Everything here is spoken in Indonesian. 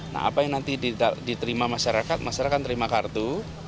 nah apa yang nanti diterima masyarakat masyarakat terima kartu